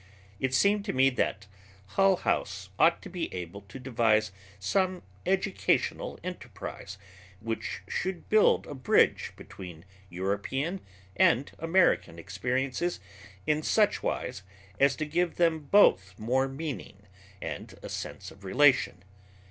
It seemed to me that Hull House ought to be able to devise some educational enterprise which should build a bridge between European and American experiences in such wise as to give them both more meaning and a sense of relation.